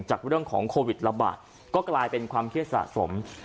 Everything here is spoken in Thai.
จากเรื่องของโควิดระบาดก็กลายเป็นความเครียดสะสม